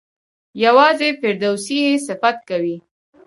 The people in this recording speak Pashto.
یوازې فردوسي یې صفت کوي.